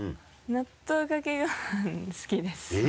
納豆かけご飯好きです